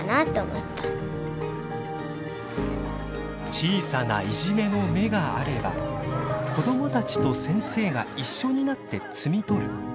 小さな「いじめの芽」があれば子どもたちと先生が一緒になって摘み取る。